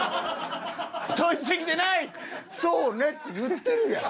「そうね」って言ってるやん。